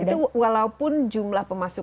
itu walaupun jumlah pemasukan